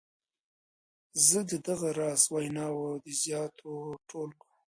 زه د دغه راز ویناوو د زیاتو ټولګو.